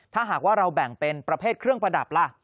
ถ้าหากว่าเราแบ่งเป็นประเภทเครื่องประดับล่ะ